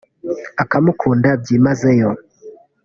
akamukunda byimazeyo